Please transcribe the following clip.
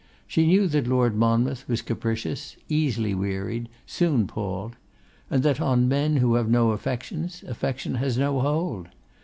She knew that Lord Monmouth was capricious, easily wearied, soon palled; and that on men who have no affections, affection has no hold.